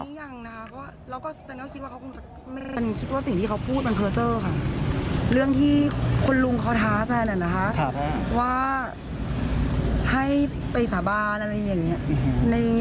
เรื่องที่คุณลุงเค้าท้าแซนแนะนะคะว่าให้ไปสาบานอะไรอย่างนี้